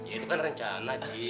itu kan rencana ji